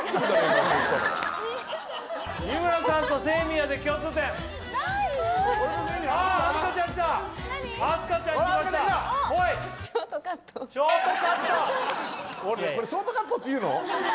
俺これショートカットっていうの？